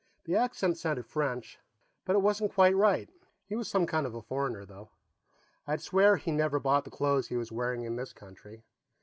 The accent sounded French, but it wasn't quite right. He was some kind of a foreigner, though; I'd swear that he never bought the clothes he was wearing in this country.